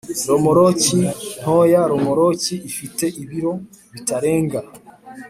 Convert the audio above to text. Romoroki ntoyaRomoroki ifite ibiro bitarenga